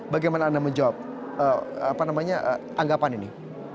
bagaimana anda menjawab apa namanya anggapan ini